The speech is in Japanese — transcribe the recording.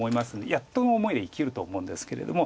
やっとの思いで生きると思うんですけれども。